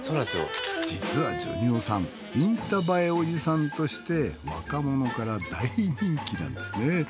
実はジョニ男さんインスタ映えおじさんとして若者から大人気なんですね。